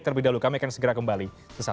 terlebih dahulu kami akan segera kembali